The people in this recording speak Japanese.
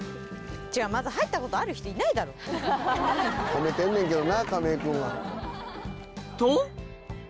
褒めてんねんけどな亀井君は。と！